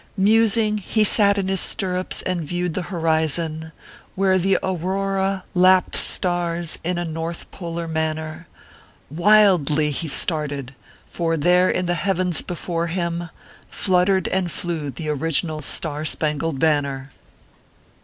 Musing, he sat in his stirrups and viewed the horizon, Where the Aurora lapt stars in a North polar manner, Wildly he started for there in the heavens before him Fluttered and flew tho original Star Spangled Banner.